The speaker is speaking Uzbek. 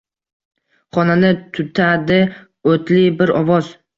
Xonani tutadi o’tli bir ovoz: